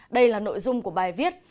đây là nội dung của bài viết